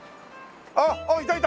あっいたいた！